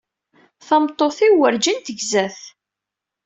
Tameṭṭut-iw werǧin tegza-t.